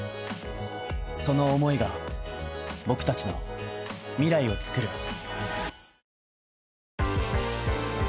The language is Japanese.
その思いが僕達の未来をつくる